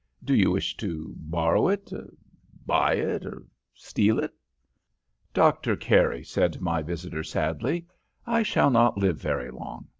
Do you wish to borrow it, buy it, or steal it?' "'Doctor Carey,' said my visitor, sadly, 'I shall not live very long.